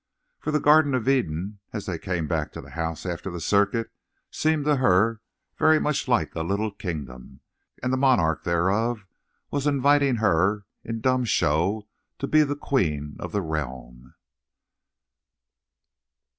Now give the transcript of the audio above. For the Garden of Eden, as they came back to the house after the circuit, seemed to her very much like a little kingdom, and the monarch thereof was inviting her in dumb show to be the queen of the realm.